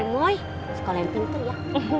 bu sekolah yang pintar ya